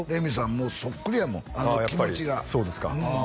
もうそっくりやもん気持ちがそうですかああ